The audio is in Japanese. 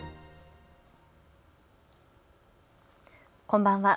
こんばんは。